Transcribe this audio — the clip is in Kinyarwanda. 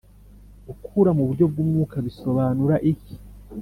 Gukura mu buryo bw umwuka bisobanura iki ?